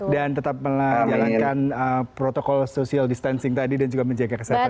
dan tetap melakukan protokol social distancing tadi dan juga menjaga kesehatan di sana